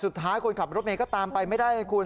สุดท้ายคนขับรถเมฆก็ตามไปไม่ได้ครับคุณ